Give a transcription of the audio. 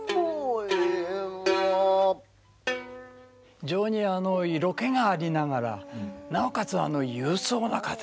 非常に色気がありながらなおかつ勇壮な語りをですね